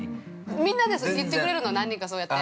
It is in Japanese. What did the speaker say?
◆みんなね、それ言ってくれるの何人か、そうやって。